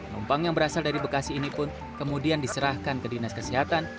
numpang yang berasal dari bekasi ini pun kemudian diserahkan ke dinas kesehatan